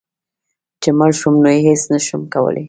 چي مړ شوم نو هيڅ نشم کولی